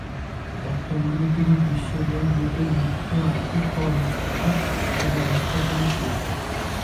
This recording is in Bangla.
বর্তমানে তিনি বিশ্বব্যাংক গ্রুপের মুখ্য আর্থিক কর্মকর্তা ও ব্যবস্থাপনা পরিচালক।